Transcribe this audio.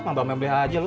lu jangan banyuin aja lu